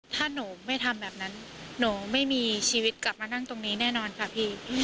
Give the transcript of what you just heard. ถ้าหนูไม่ทำแบบนั้นหนูไม่มีชีวิตกลับมานั่งตรงนี้แน่นอนค่ะพี่